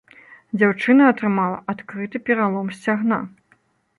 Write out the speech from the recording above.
Дзяўчына атрымала адкрыты пералом сцягна.